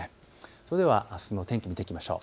それではあすの天気を見ていきましょう。